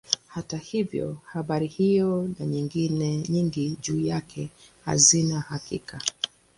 Hata hivyo habari hiyo na nyingine nyingi juu yake hazina hakika.